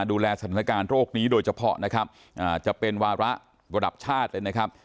ดูแลสถานการณ์โรคนี้โดยเฉพาะจะเป็นวาระวดับชาติเลย